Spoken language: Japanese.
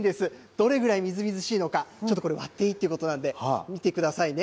どれぐらいみずみずしいのか割っていいということなので見てくださいね。